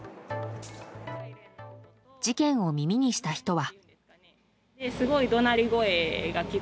事件を耳にした人は。